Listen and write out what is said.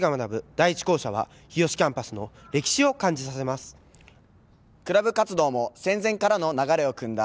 第一校舎は、日吉キャンパスのクラブ活動も戦前からの流れをくんだ